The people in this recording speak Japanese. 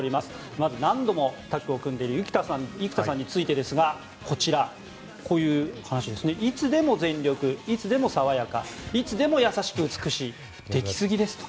まず、何度もタッグを組んでいる生田さんについてですがいつでも全力、いつでも爽やかいつでも優しく美しいできすぎですと。